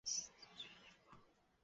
妻子琚逸芳。